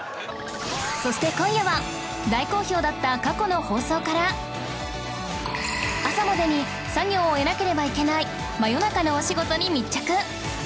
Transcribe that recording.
そして今夜は大好評だった過去の放送から朝までに作業を終えなければいけない真夜中のお仕事に密着